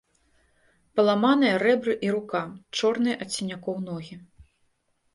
Паламаныя рэбры і рука, чорныя ад сінякоў ногі.